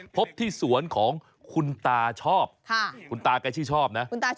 พบที่สวนของคุณตาชอบ